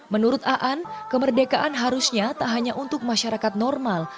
menurut a'an kemerdekaan harusnya tak hanya untuk masyarakat normal